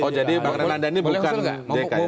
oh jadi bang renanda ini bukan jk ya